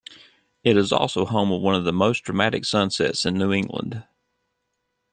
It is also home of one of the most dramatic sunsets in New England.